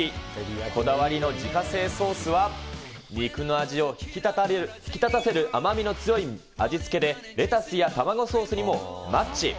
こだわりの自家製ソースは肉の味を引き立たせる甘みの強い味付けで、レタスや卵ソースにもマッチ。